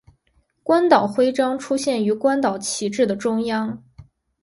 关岛徽章出现于关岛旗帜的中央。